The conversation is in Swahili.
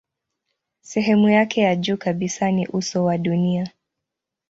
Sehemu yake ya juu kabisa ni uso wa dunia.